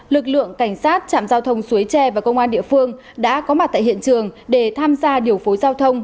lực lượng cảnh sát trạm giao thông suối tre và công an địa phương đã có mặt tại hiện trường để tham gia điều phối giao thông